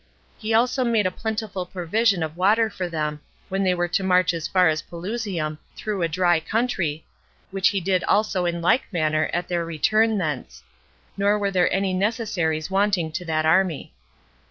He also made a plentiful provision of water for them, when they were to march as far as Pelusium, through a dry country, which he did also in like manner at their return thence; nor were there any necessaries wanting to that army.